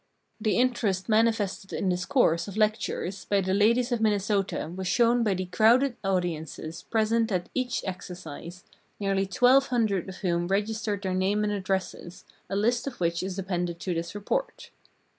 The interest manifested in this course of lectures by the ladies of Minnesota was shown by the crowded audiences present at each exercise, nearly 1,200 of whom registered their names and addresses, a list of which is appended to this report.